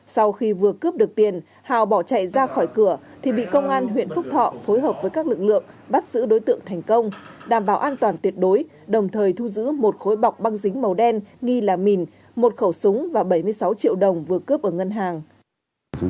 sau khi vừa cướp được tiền hào bỏ chạy ra khỏi cửa thì bị công an huyện phúc thọ phối hợp với các lực lượng bắt giữ đối tượng thành công đảm bảo an toàn tuyệt đối đồng thời thu giữ một khối bọc băng dính màu đen nghi là mìn một khẩu súng và bảy mươi sáu triệu đồng vừa cướp ở ngân hàng